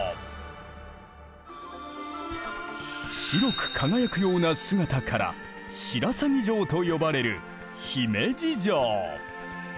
白く輝くような姿から白鷺城と呼ばれる姫路城。